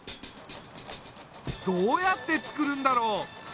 どうやってつくるんだろう？